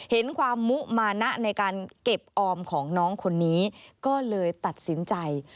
เห็นความมุมานะในการเก็บออมของน้องคนนี้ก็เลยตัดสินใจ